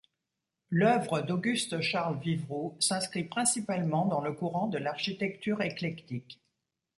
L'œuvre d'Auguste-Charles Vivroux s'inscrit principalement dans le courant de l'architecture éclectique.